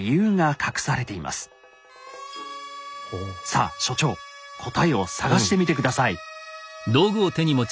さあ所長答えを探してみて下さい。